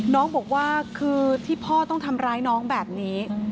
น้องบอกว่าคือที่พ่อต้องทำร้ายน้องแบบนี้